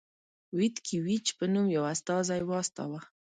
ویتکي ویچ په نوم یو استازی واستاوه.